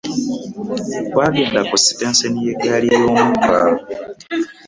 Twagenda ku sitenseni y'egaali y'omukka.